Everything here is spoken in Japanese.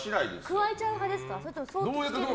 くわえちゃう派ですか？